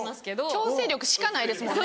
強制力しかないですもんね。